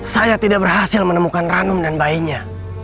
saya tidak berhasil menemukan ranum dan bayinya